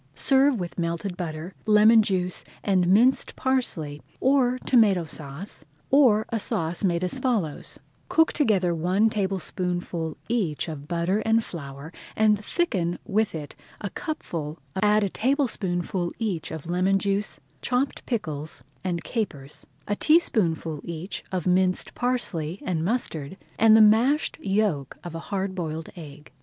Serve with melted butter, lemon juice, and minced parsley, or Tomato Sauce, or a sauce made as follows: Cook together one tablespoonful each of butter and flour and thicken with it a cupful [Page 145] of cream or milk. Add a tablespoonful each of lemon juice chopped pickles, and capers, a teaspoonful each of minced parsley and mustard, and the mashed yolk of a hard boiled egg.